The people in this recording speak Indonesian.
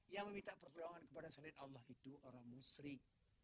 yang meminta pertolongan kepada salib allah itu orang musrik